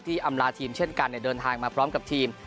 อำลาทีมเช่นกันเดินทางมาพร้อมกับทีม